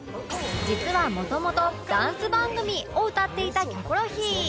実はもともとダンス番組をうたっていた『キョコロヒー』